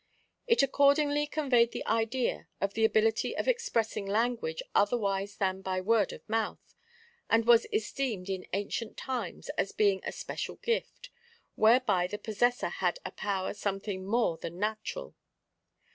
It accordingly conveyed the idea of the ability of expressing language otherwise than by word of mouth, and was esteemed in ancient times as being a special gift, whereby the possessor had a power something more than natural.